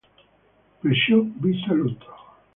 Perciò vi saluto".